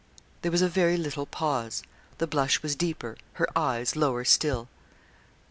There was a very little pause, the blush was deeper, her eyes lower still.